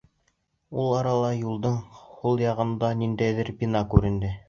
Ул арала юлдың һул яғында ниндәйҙер бина күренде.